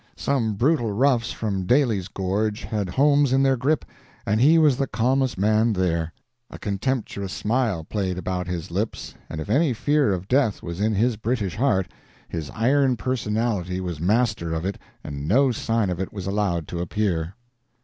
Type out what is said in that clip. Some brutal roughs from Daly's gorge had Holmes in their grip, and he was the calmest man there; a contemptuous smile played about his lips, and if any fear of death was in his British heart, his iron personality was master of it and no sign of it was allowed to appear.